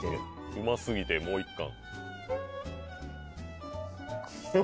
うま過ぎてもう１貫。